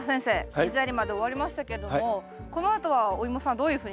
水やりまで終わりましたけれどもこのあとはおイモさんどういうふうにしたらいいんですか？